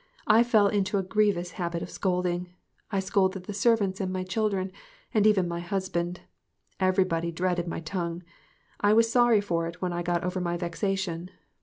I fell into a grievous habit of scolding. I scolded the servants and my children, and even my husband. Every body dreaded my tongue. I was sorry for it when I got over my vexation.